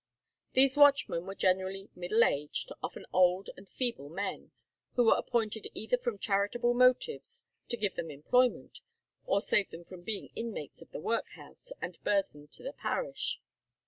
These watchmen were generally middle aged, often old and feeble men, who were appointed either from charitable motives, to give them employment, or save them from being inmates of the workhouse and a burthen to the parish.